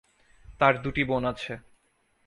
তার দুটি বোন আছে।